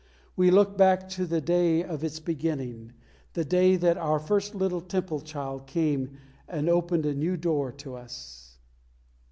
We look back to the day of its beginning, the day that our first little Temple child came and opened a new door to us.